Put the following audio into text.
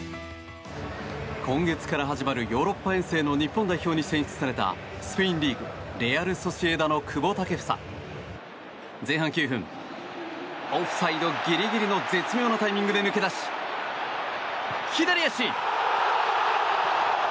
今月から始まるヨーロッパ遠征の日本代表に選出されたスペインリーグレアル・ソシエダの久保建英。前半９分、オフサイドギリギリの絶妙なタイミングで抜け出し左足！